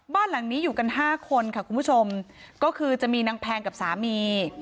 บ้านหลังนี้อยู่กันห้าคนค่ะคุณผู้ชมก็คือจะมีนางแพงกับสามี